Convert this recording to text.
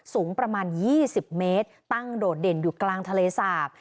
สูงประมาณ๒๐เมตรตั้งโดดเด่นอยู่กลางทะเลสาบ